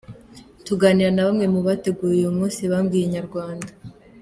Tuganira na bamwe mu bateguye uyu munsi babwiye Inyarwanda.